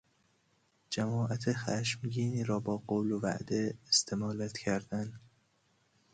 جماعت خشمگینی را با قول و وعده استمالت کردن